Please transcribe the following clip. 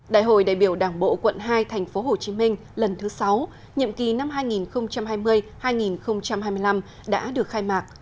đại hội đại biểu đảng bộ quận hai tp hcm lần thứ sáu nhiệm kỳ năm hai nghìn hai mươi hai nghìn hai mươi năm đã được khai mạc